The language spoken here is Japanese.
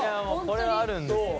これはあるんですよね。